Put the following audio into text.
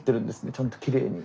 ちゃんときれいに。